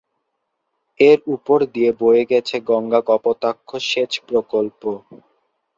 এর উপর দিয়ে বয়ে গেছে গঙ্গা-কপোতাক্ষ সেচ প্রকল্প।